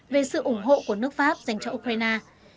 về sự ủng hộ của nước pháp dành cho ukraine